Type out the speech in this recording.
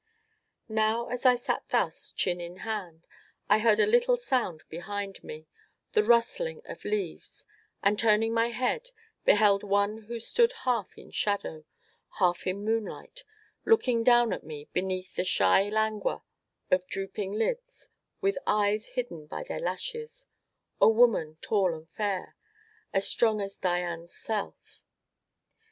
Now as I sat thus, chin in hand, I heard a little sound behind me, the rustling of leaves, and, turning my head, beheld one who stood half in shadow, half in moonlight, looking down at me beneath a shy languor of drooping lids, with eyes hidden by their lashes a woman tall and fair, and strong as Dian's self.